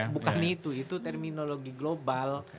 bukan itu itu terminologi global